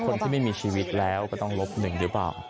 คนที่ไม่มีชีวิตแล้วก็น่าจะต้องลบ๑หรือเปล่า